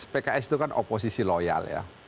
pks itu kan oposisi loyal ya